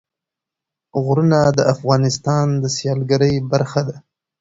غرونه د افغانستان د سیلګرۍ برخه ده.